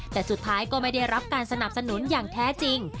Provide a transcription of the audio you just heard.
แต่สุดท้ายก็ไม่ได้รับการสนับสนุนอย่างแท้จริง